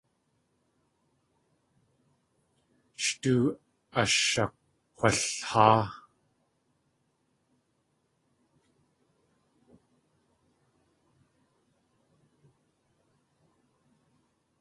Sh tóo ashakg̲walháa.